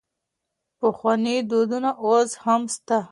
پخواني دودونه اوس هم سته.